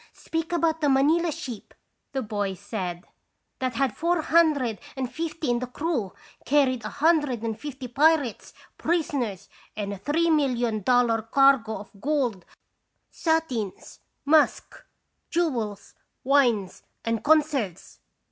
" Speak about the Manila ship," the boy said, "that had four hundred and fifty in the crew, carried a hundred and fifty pirates, prisoners, and a three million dollar cargo of gold, satins, musk, jewels, wines, and con serves."